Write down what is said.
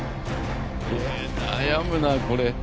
ええ悩むなこれ。